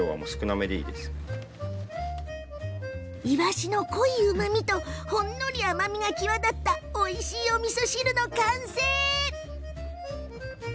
イワシの濃いうまみとほんのり甘みが際立ったおいしいおみそ汁の完成。